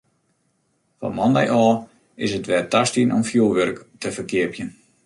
Fan moandei ôf is it wer tastien om fjoerwurk te ferkeapjen.